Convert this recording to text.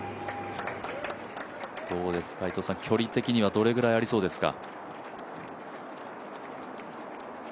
どうですか、距離的にはどれくらいありそうですか？